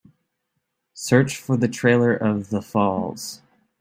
Search for the trailer of The Falls